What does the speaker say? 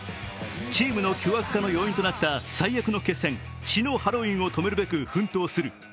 チームの凶悪化の要因となった最悪の決戦、血のハロウィンを止めるべく奮闘する。